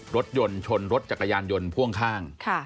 รถยนต์ชนรถจักรยานยนต์พ่วงข้าง